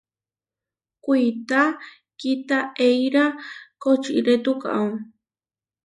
Kuitá kitaʼeíra kočiré tukaó.